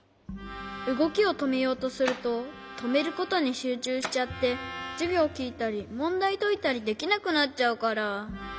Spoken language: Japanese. うごきをとめようとするととめることにしゅうちゅうしちゃってじゅぎょうきいたりもんだいといたりできなくなっちゃうから。